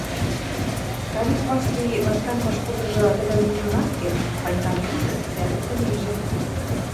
Кавик Васли, Ванькан пашкудыжы, тӹдӹм ужын ак керд, Ванькан лӹмжӹм лявӹртӹнежӹ;